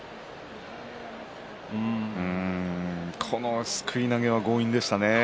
うーんこのすくい投げは強引でしたね。